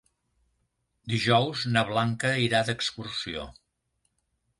Dijous na Blanca irà d'excursió.